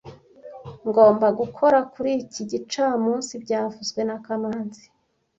Ngomba gukora kuri iki gicamunsi byavuzwe na kamanzi